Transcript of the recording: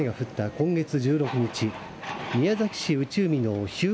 今月１６日宮崎市内海の日向